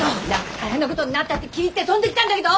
大変なことになったって聞いて飛んできたんだけど！